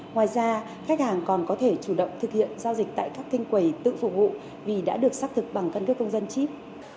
ngoài ra khách hàng còn có thể chủ động thực hiện giao dịch tại các kênh quầy tự phục vụ vì đã được xác thực bằng cân cước công dân chip